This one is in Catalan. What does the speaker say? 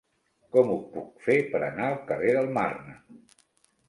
Com ho puc fer per anar al carrer del Marne?